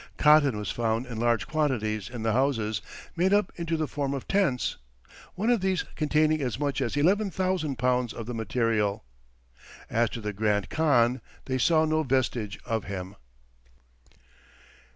Cotton was found in large quantities in the houses, made up into the form of tents, one of these containing as much as 11,000 pounds of the material. As to the grand khan they saw no vestige of him.